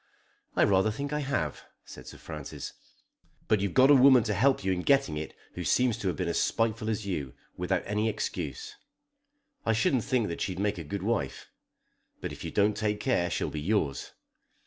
"I rather think I have," said Sir Francis. "But you've got a woman to help you in getting it who seems to have been as spiteful as you, without any excuse. I shouldn't think that she'd make a good wife. But if you don't take care she'll be yours."